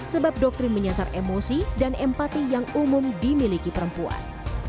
sebab doktrin menyasar emosi dan empati yang umum dimiliki perempuan